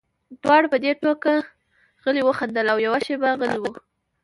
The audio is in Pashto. دواړو په دې ټوکه غلي وخندل او یوه شېبه غلي وو